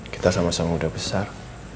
kita sama sama muda besar